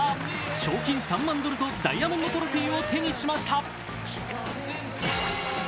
賞金３万ドルとダイヤモンドトロフィーを手にしました。